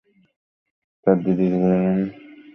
তার দিদি ছিলেন বিপ্লবী কল্যাণী দাস।